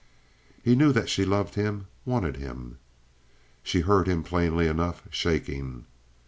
He knew that she loved him, wanted him. She heard him plainly enough, shaking.